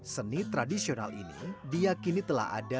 seni tradisional ini diakini telah ada